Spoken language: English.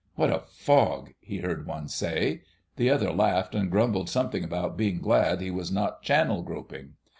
"What a fog!" he heard one say. The other laughed, and grumbled something about being glad he was not Channel groping.